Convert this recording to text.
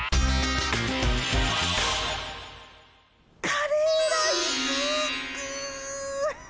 カレーライスぐっ！